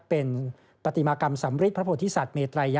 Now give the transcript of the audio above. เป็นปฏิมากรรมสำฤิษฐ์พระพุทธธิสัตว์เมตรระยะ